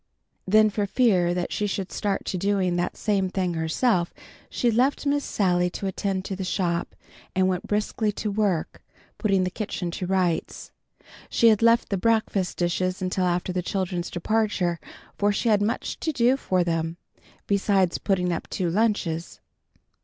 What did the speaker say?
Then for fear that she should start to doing that same thing herself, she left Miss Sally to attend to the shop, and went briskly to work, putting the kitchen to rights. She had left the breakfast dishes until after the children's departure, for she had much to do for them, besides putting up two lunches.